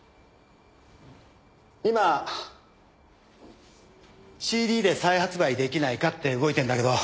今ＣＤで再発売出来ないかって動いてるんだけど。